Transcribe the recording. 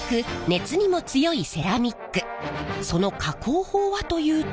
その加工法はというと。